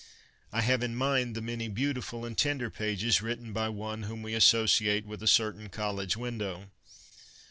I have in mind the many beautiful and tender pages written by one whom we associate with a certain college window.